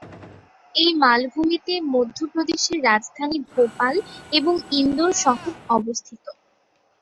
এই মালভূমিতে মধ্য প্রদেশের রাজধানী ভোপাল এবং ইন্দোর শহর অবস্থিত।